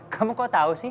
kamu kok tau sih